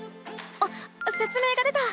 あっせつ明が出た！